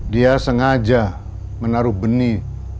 dia sengaja menaruh benih